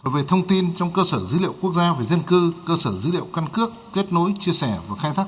về thông tin trong cơ sở dữ liệu quốc gia về dân cư cơ sở dữ liệu căn cước kết nối chia sẻ và khai thác